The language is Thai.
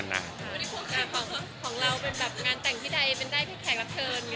ของเรา็เป็นงานแต่งที่ได้เพื่อได้แขกระเทิล